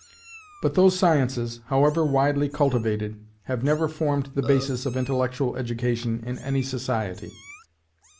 But those sciences, however widely cultivated, have never formed the basis of intellectual education in any society.